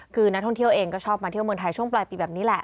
คือนักท่องเที่ยวเองก็ชอบมาเที่ยวเมืองไทยช่วงปลายปีแบบนี้แหละ